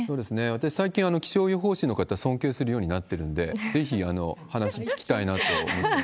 私、最近、気象予報士の方、尊敬するようになってるんで、ぜひ話聞きたいなと思います。